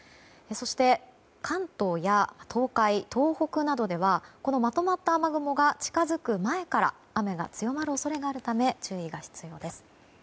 そして関東や東海、東北などではこのまとまった雨雲が近づく前から雨が強まる恐れがあるため注意が必要です。